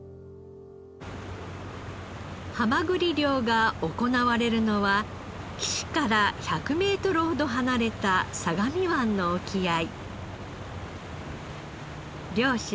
ハマグリ漁が行われるのは岸から１００メートルほど離れた相模湾の沖合。